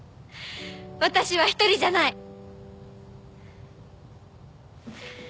私は一人じゃない。